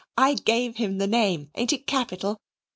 I gave him the name; ain't it capital?